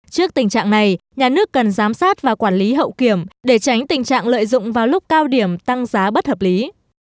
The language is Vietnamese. trước tình trạng này nhà nước cần giám sát và quản lý hậu kiểm để tránh tình trạng lợi dụng vào lúc cao điểm tăng giá bất hợp lý